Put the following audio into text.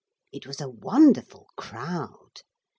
It was a wonderful crowd.